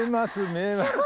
見えます。